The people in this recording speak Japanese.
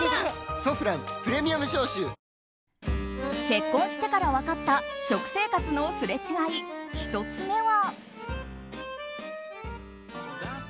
結婚してから分かった食生活のすれ違い、１つ目は。